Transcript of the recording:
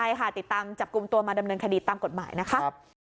ใช่ค่ะติดตามจับกลุ่มตัวมาดำเนินคดีตามกฎหมายนะคะ